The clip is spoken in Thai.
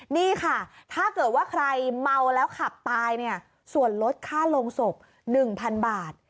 นี่ค่ะถ้าเกิดว่าใครเมาแล้วขับตายเนี่ยส่วนลดค่าลงศพ๑๐๐๐บาท